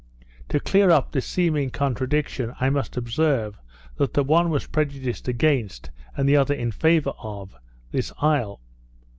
To clear up this seeming contradiction, I must observe, that the one was prejudiced against, and the other in favour of, this isle.